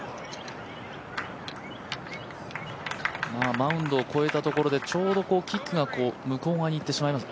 マウンドを越えたところで、ちょうど、キックが向こう側にいってしまいました。